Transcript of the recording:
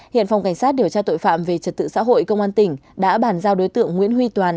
hiện phòng cảnh sát điều tra tội phạm về trật tự xã hội công an tỉnh đã bàn giao đối tượng nguyễn huy toàn